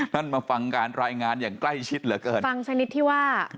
มาฟังการรายงานอย่างใกล้ชิดเหลือเกินฟังชนิดที่ว่า